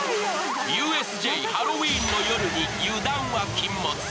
ＵＳＪハロウィーンの夜に油断は禁物。